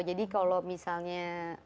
jadi kalau misalnya